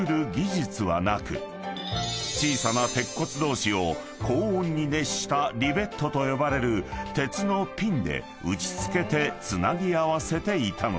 ［小さな鉄骨同士を高温に熱したリベットと呼ばれる鉄のピンで打ち付けてつなぎ合わせていたのだ］